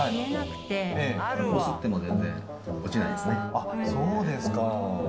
あっそうですか。